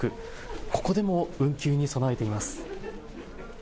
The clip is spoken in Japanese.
ここでも運休に備えています。